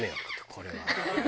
これは。